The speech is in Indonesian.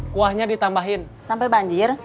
kuahnya ditambahin sampai banjir